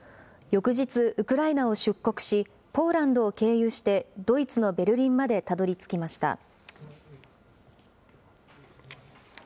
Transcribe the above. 翌日、ウクライナを出国しポーランドを経由してドイツのベルリンまでたどりつきました。